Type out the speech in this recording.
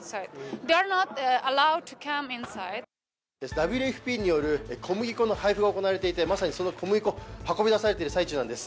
ＷＦＰによる小麦粉の配布が行われていてまさにその小麦粉、運び出されている最中なんです。